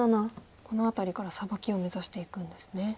この辺りからサバキを目指していくんですね。